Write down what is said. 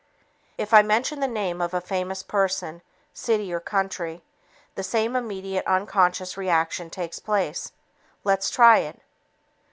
If I mention the name of a famous person, city or country, the same immediate unconscious reaction takes place. Let's try it.